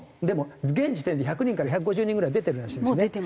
でも現時点で１００人から１５０人ぐらい出てるらしいんですね